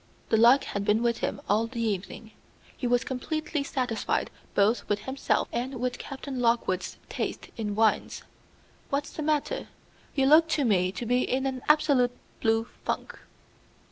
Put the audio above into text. The luck had been with him all the evening. He was completely satisfied, both with himself and with Captain Lockwood's taste in wines. "What's the matter? You look to me to be in an absolute blue funk."